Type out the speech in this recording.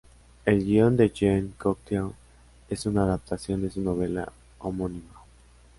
El guion de Jean Cocteau es una adaptación de su novela homónima.